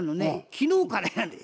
昨日からやねん。